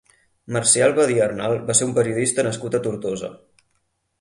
Marcial Badia Arnal va ser un periodista nascut a Tortosa.